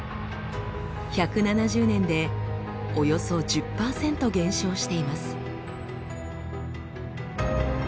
１７０年でおよそ１０％減少しています。